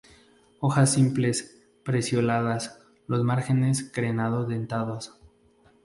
Hojas simples, pecioladas, los márgenes crenado-dentados.